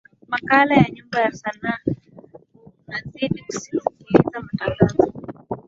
makala ya nyumba ya sanaa unazidi kusikiliza matangazo